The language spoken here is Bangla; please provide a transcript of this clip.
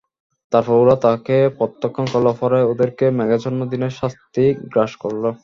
তারপর ওরা তাকে প্রত্যাখ্যান করল, পরে ওদেরকে মেঘাচ্ছন্ন দিনের শাস্তি গ্রাস করল।